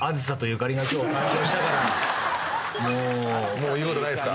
もう言うことないっすか？